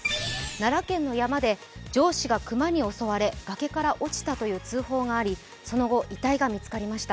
奈良県の山で上司が熊に襲われ崖から落ちたという通報がありその後、遺体が見つかりました。